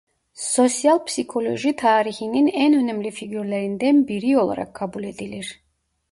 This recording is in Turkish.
Sosyal psikoloji tarihinin en önemli figürlerinden biri olarak kabul edilir.